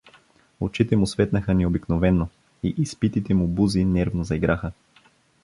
Очите му светнаха необикновено и изпитите му бузи нервно заиграха.